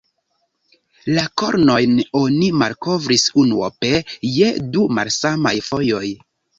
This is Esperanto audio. La kornojn oni malkovris unuope je du malsamaj fojoj.